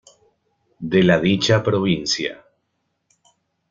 De la dicha provincia.